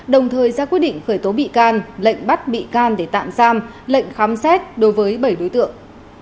đồng thời ra quyết định khởi tố bị can lệnh bắt bị can để tạm giam lệnh khám xét đối với bảy đối tượng